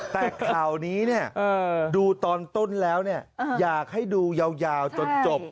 แต่ข่าวนี้ดูตอนต้นแล้วอยากให้ดูยาวจนจบ